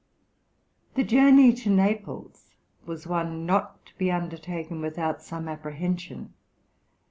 The journey to Naples was one not to be undertaken without some apprehension.